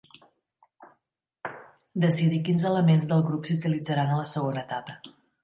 Decidir quins elements del grup s'utilitzaran és la segona etapa.